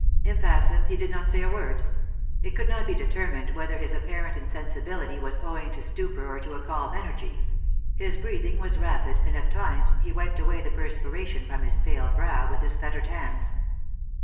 Impassive, he did not say a word. It could not be determined whether this apparent insensibility was owing to stupor or to a calm energy; his breathing was rapid, and, at times, he wiped away the perspiration from his pale brow with his fettered hands.